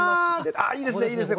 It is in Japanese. いいですねいいですね！